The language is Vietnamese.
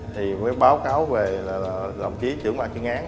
thì mới báo cáo về làm ký trưởng bản chuyên án